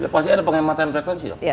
pasti ada penghematan frekuensi